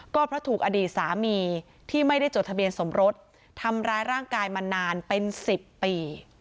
ก็เพราะถูกอดีตสามีที่ไม่ได้จดทะเบียนสมรสทำร้ายร่างกายมานานเป็น๑๐ปี